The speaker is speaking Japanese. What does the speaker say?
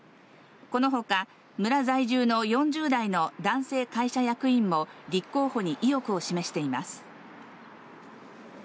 このほか、村在住の４０代の男性会社役員も立候補に意欲を示しています。